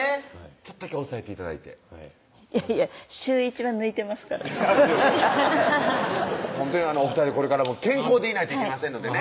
ちょっとだけ抑えて頂いていやいや週１は抜いてますからほんとにお２人これからも健康でいないといけませんのでね